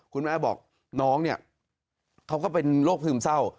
คุณแม่บอกน้องเนี่ยเขาก็เป็นโรคซึมเศร้า